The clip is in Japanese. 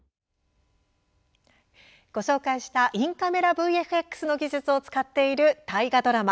ご紹介したインカメラＶＦＸの技術を使っている大河ドラマ